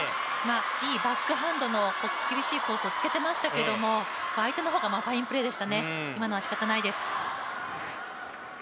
いいバックハンドの厳しいコースをつけてましたけれども、相手の方がファインプレーでしたね、今のはしかたないです。